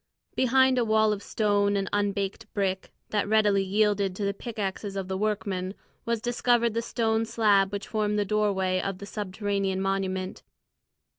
Behind a wall of stone and unbaked brick, that readily yielded to the pickaxes of the workmen, was discovered the stone slab which formed the doorway of the subterranean monument.